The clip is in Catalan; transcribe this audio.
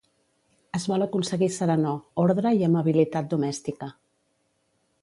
Es vol aconseguir serenor, ordre i amabilitat domèstica.